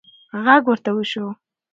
غږ ورته وشو: